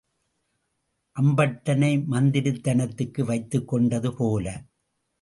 அம்பட்டனை மந்திரித்தனத்துக்கு வைத்துக் கொண்டது போல.